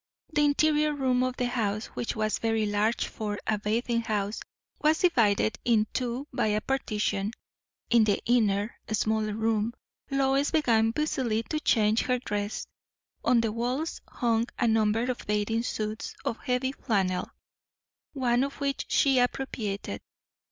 The interior room of the house, which was very large for a bathing house, was divided in two by a partition. In the inner, smaller room, Lois began busily to change her dress. On the walls hung a number of bathing suits of heavy flannel, one of which she appropriated.